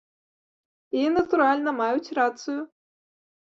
І, натуральна, маюць рацыю.